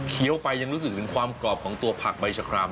ไปยังรู้สึกถึงความกรอบของตัวผักใบชะคราม